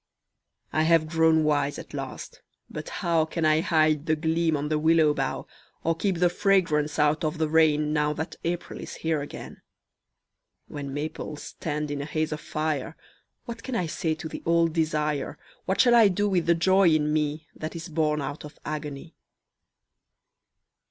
I have grown wise at last but how Can I hide the gleam on the willow bough, Or keep the fragrance out of the rain Now that April is here again? When maples stand in a haze of fire What can I say to the old desire, What shall I do with the joy in me That is born out of agony?